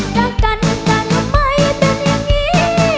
แล้วกันกันหรือไม่เป็นอย่างนี้